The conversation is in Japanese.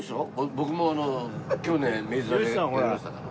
僕も去年明治座でやりましたから。